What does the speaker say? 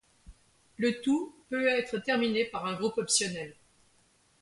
Le tout peut être terminé par un groupe optionnel.